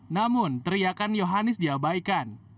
namun teriakan yohanis diabaikan